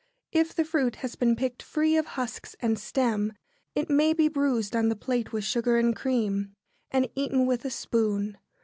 If the fruit has been picked free of husks and stem, it may be bruised on the plate with sugar and cream, and eaten with a spoon.